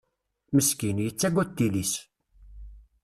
Meskin, yettagad tili-s.